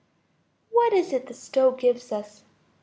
What is it the stove gives us?